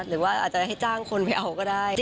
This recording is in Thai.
หรือว่าอาจจะให้จ้างคนไปเอาก็ได้